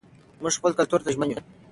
موږ خپل کلتور ته ژمن یو.